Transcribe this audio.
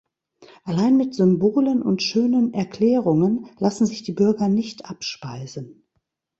Allein mit Symbolen und schönen Erklärungen lassen sich die Bürger nicht abspeisen.